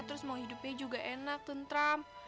terus mau hidupnya juga enak tentram